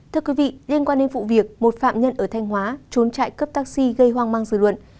thưa quý vị liên quan đến vụ việc một phạm nhân ở thanh hóa trốn trại cấp taxi gây hoang mang dư luận